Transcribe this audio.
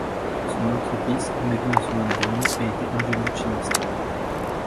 Son autre fils, Magnus von Braun, a été ingénieur chimiste.